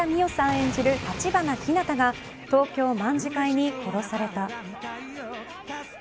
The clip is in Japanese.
演じる橘日向が東京卍會に殺された。